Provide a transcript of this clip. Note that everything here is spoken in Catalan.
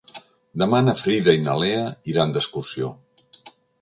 Demà na Frida i na Lea iran d'excursió.